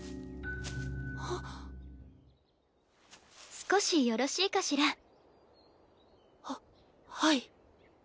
少しよろしいかしら？ははい。